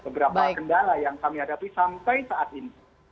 beberapa kendala yang kami hadapi sampai saat ini